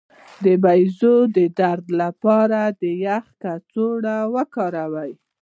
د بیضو د درد لپاره د یخ کڅوړه وکاروئ